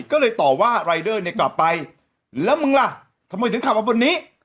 ก็เลยต่อว่ารายเดอร์เนี่ยกลับไปแล้วมึงล่ะทำไมถึงขับมาบนนี้